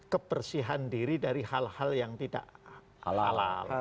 kepersihan diri dari hal hal yang tidak alam